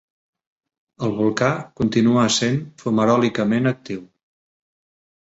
El volcà continua essent fumaròlicament actiu.